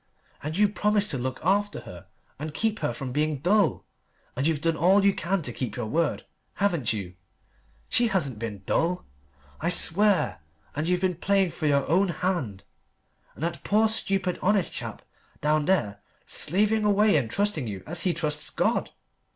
And you promised to look after her and keep her from being dull. And you've done all you can to keep your word, haven't you? She hasn't been dull, I swear. And you've been playing for your own hand and that poor stupid honest chap down there slaving away and trusting you as he trusts God.